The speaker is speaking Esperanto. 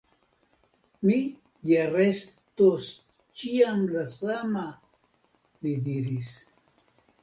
Mi ja restos ĉiam la sama, li diris.